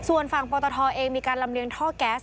บนฝั่งโปรตทเองมีการลำเนียงท่อก๊าซ